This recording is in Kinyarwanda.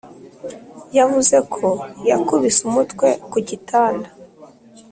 yavuze ko yakubise umutwe ku gitanda